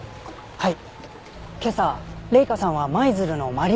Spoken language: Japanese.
はい。